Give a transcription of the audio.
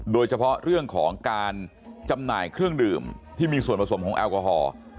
โดยเฉพาะเรื่องของการจำหน่ายเครื่องดื่มที่มีส่วนผสมของแอลกอฮอล์